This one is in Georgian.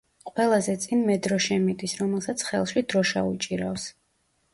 ყველაზე წინ მედროშე მიდის, რომელსაც ხელში დროშა უჭირავს.